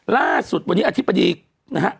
ล่าสุดวันนี้อธิบดีนะฮะ